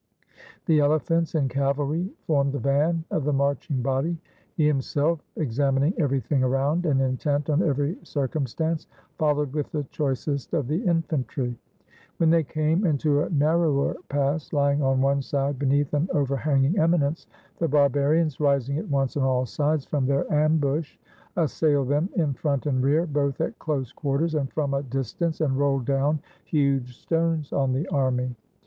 The elephants and cavalry formed the van of the marching body; he himself, exam ining everything around, and intent on every circum stance, followed with the choicest of the infantry. When they came into a narrower pass, lying on one side be neath an overhanging eminence, the barbarians, rising at once on all sides from their ambush, assail them in front and rear, both at close quarters, and from a dis tance, and roll down huge stones on the army.